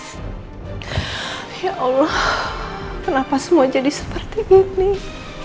sulap zg buru interessant inic tas